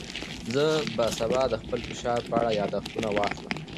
زه به سبا د خپل فشار په اړه یاداښتونه واخلم.